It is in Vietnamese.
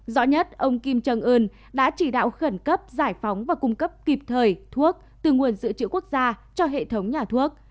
rõ nhất ông kim trân ưn đã chỉ đạo khẩn cấp giải phóng và cung cấp kịp thời thuốc từ nguồn dự trữ quốc gia cho hệ thống nhà thuốc